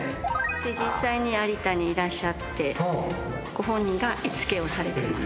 実際に有田にいらっしゃってご本人が絵付けをされてます。